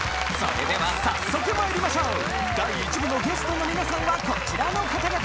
それでは早速まいりましょう第１部のゲストの皆さんはこちらの方々！